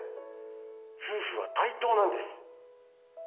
夫婦は対等なんです。